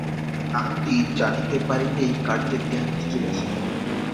কারণটি জানিতে পারিলেই কার্যের জ্ঞান নিশ্চয়ই আসিবে।